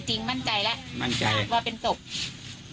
คือเห็นจริงมั่นใจแล้วว่าเป็นศพ